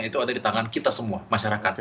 itu ada di tangan kita semua masyarakatnya